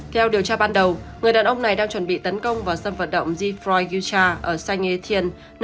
theo điều tra ban đầu người đàn ông này đang chuẩn bị tấn công vào sân vận động ziproi yucha ở san etienne